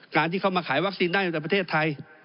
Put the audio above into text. การที่เขามาขายวัคซีนได้ในประเทศไทย